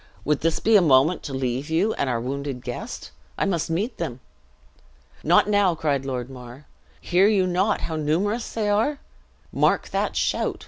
"Would this be a moment to leave you, and our wounded guest? I must meet them." "Not now!" cried Lord Mar. "Hear you not how numerous they are? Mark that shout!